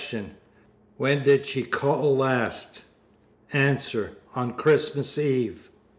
When did she call last? A. On Christmas Eve.